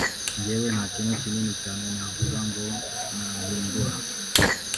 Njyewe nta kintu kinini cyane navuga ngo nahindura